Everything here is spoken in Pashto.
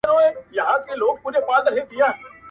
سږ کال مي ولیده لوېدلې وه له زوره ونه!.